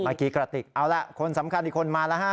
เมื่อกี้กระติกเอาล่ะคนสำคัญอีกคนมาแล้วฮะ